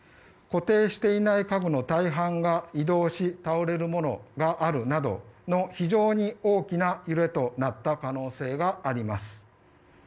固定しない家具の大半が移動し、倒れるものがあるなどの非常に大きな揺れとなった可能性があります。